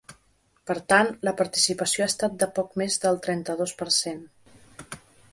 Per tant, la participació ha estat de poc més del trenta-dos per cent.